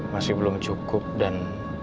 masih belum cukup dan